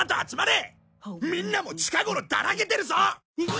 みんなも近頃だらけてるぞ！